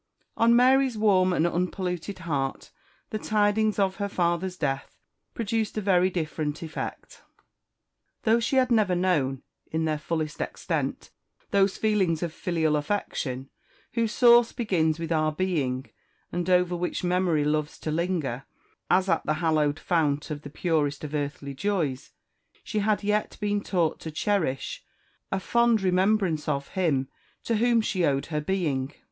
On Mary's warm and unpolluted heart the tidings of her father's death produced a very different effect. Though she had never known, in their fullest extent, those feelings of filial affection, whose source begins with our being, and over which memory loves to linger, as at the hallowed fount of the purest of earthly joys, she had yet been taught to cherish a fond remembrance of him to whom she owed her being.